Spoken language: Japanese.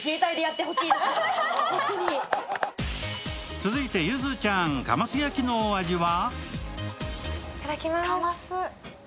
続いてゆずちゃん、カマス焼きのお味は？